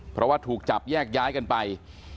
เพราะว่าถูกจับแยกย้ายกันไป